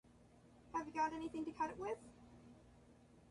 Have you got anything to cut it with?